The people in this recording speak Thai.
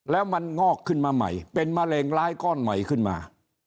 แล้วมันงอกขึ้นมาใหม่เป็นมะเร็งร้ายก้อนใหม่ขึ้นมา